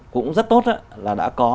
cũng rất tốt là đã có